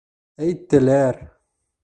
Әйттеләр!